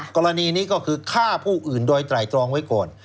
กรณีนี้ก็คือฆ่าผู้อื่นโดยไตรตรองไว้ก่อน